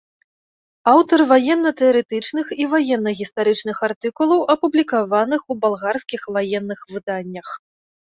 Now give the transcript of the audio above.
Аўтар ваенна-тэарэтычных і ваенна-гістарычных артыкулаў, апублікаваных у балгарскіх ваенных выданнях.